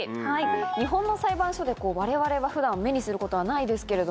日本の裁判所でわれわれは普段目にすることはないですけれど。